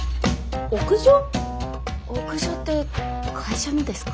屋上って会社のですか？